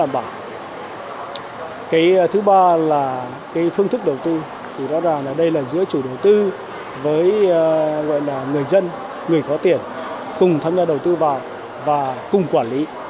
và cái phương thức đầu tư thì đó là đây là giữa chủ đầu tư với người dân người có tiền cùng tham gia đầu tư vào và cùng quản lý